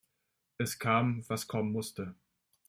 Es kam, was kommen musste.